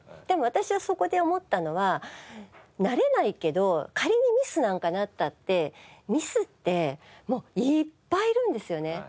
でも私がそこで思ったのはなれないけど仮にミスなんかなったってミスってもういっぱいいるんですよね。